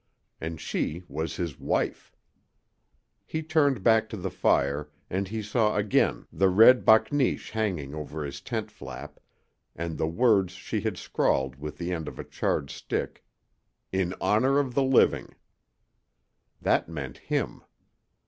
And she was his wife! He turned back to the fire, and he saw again the red bakneesh hanging over his tent flap, and the words she had scrawled with the end of a charred stick, "In honor of the living." That meant him.